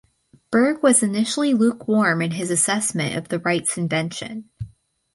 Berg was initially lukewarm in his assessment of the Wrights’ invention.